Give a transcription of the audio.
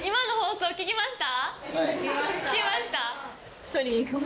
聞きました？